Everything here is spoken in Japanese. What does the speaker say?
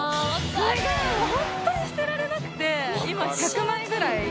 それが本当に捨てられなくて今１００枚ぐらい。